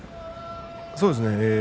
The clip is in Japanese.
そうですね。